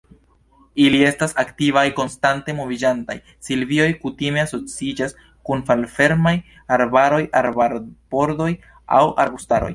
Ili estas aktivaj, konstante moviĝantaj; silvioj kutime asociiĝas kun malfermaj arbaroj, arbarbordoj aŭ arbustaroj.